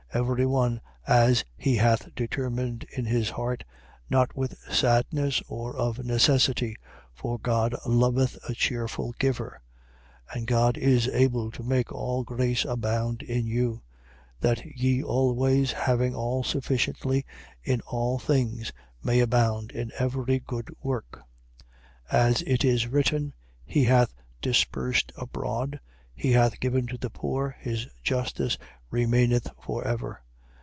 9:7. Every one as he hath determined in his heart, not with sadness or of necessity: for God loveth a cheerful giver. 9:8. And God is able to make all grace abound in you: that ye always, having all sufficiently in all things, may abound to every good work, 9:9. As it is written: He hath dispersed abroad, he hath given to the poor: his justice remaineth for ever.